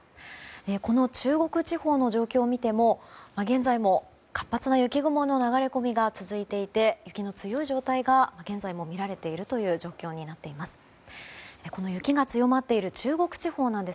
この中国地方の状況を見ても現在も、活発な雪雲の流れ込みが続いていて雪の強い状態が現在もみられている状況です。